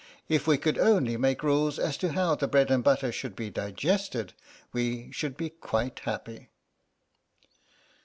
If we could only make rules as to how the bread and butter should be digested we should be quite happy."